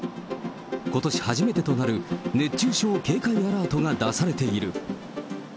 ことし初めてとなる熱中症警戒アラートが出されている。